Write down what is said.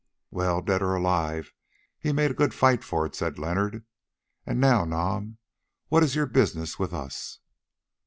"Well, dead or alive, he made a good fight for it," said Leonard. "And now, Nam, what is your business with us?"